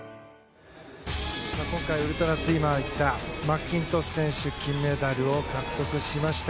今回、ウルトラスイマーマッキントッシュ選手金メダルを獲得しました。